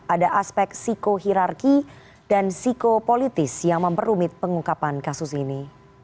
ada aspek psikohirarki dan psikopolitis yang memperumit pengungkapan kasus ini